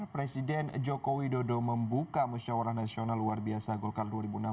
presiden jokowi dodo membuka mesyuara nasional luar biasa golkar dua ribu enam belas